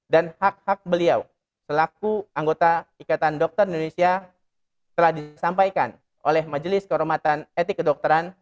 dan hak hak beliau selaku anggota ikatan dokter indonesia telah disampaikan oleh majelis kehormatan etik kedokteran